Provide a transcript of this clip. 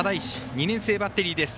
２年生バッテリーです。